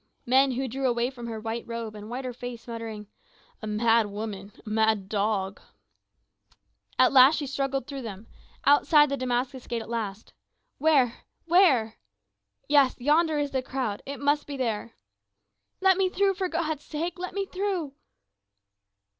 Men who drew away from her white robe and whiter face muttering, "A mad woman a mad dog!" At last she has struggled through them, outside the Damascus Gate at last. Where where? Yes, yonder is a crowd, it must be there. "Let me through, for God's sake! Let me through!"